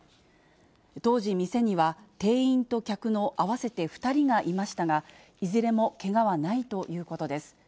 当時店には、店員と客の合わせて２人がいましたが、いずれもけがはないということです。